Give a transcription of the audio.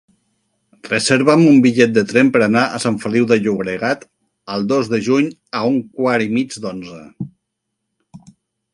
Reserva'm un bitllet de tren per anar a Sant Feliu de Llobregat el dos de juny a un quart i mig d'onze.